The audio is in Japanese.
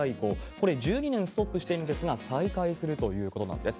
これ、１２年ストップしているんですが、再開するということなんです。